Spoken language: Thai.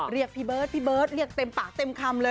เรียกพี่เบิร์ตพี่เบิร์ตเรียกเต็มปากเต็มคำเลย